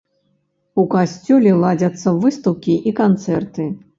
У касцёле ладзяцца выстаўкі і канцэрты.